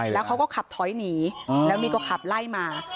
แล้วเขาก็ขับถอยหนีแล้วนี่ก็ขับไล่มา